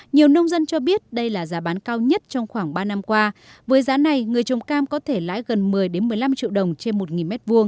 nhiều nông dân cho biết đây là giá bán cao nhất trong khoảng ba năm qua với giá này người trồng cam có thể lái gần một mươi một mươi năm triệu đồng trên một m hai